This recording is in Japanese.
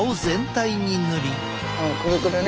あっクルクルね。